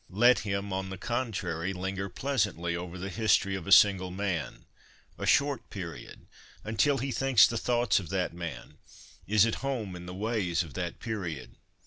Let him, on the contrary, linger pleasantly over the history of a single man, a short period, until he thinks the thoughts of that man, is at home in the ways of that period.